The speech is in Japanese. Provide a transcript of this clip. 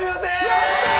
やったー！